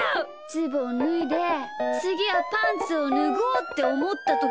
ズボンぬいでつぎはパンツをぬごうっておもったときに。